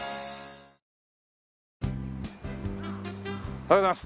おはようございます。